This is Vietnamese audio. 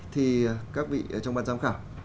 thì các vị trong bàn giám khảo